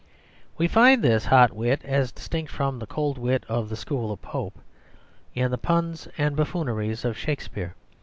We find this hot wit, as distinct from the cold wit of the school of Pope, in the puns and buffooneries of Shakespeare.